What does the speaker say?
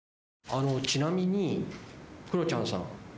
ちなみにクロちゃんさん。